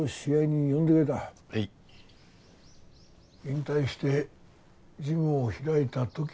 引退してジムを開いた時もだ。